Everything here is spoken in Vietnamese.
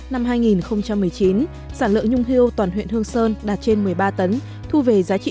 năm hai nghìn một mươi chín sản lượng nhung hiêu toàn huyện hương sơn đạt trên một mươi ba tấn